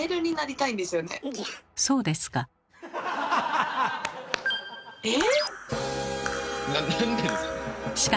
そうですか。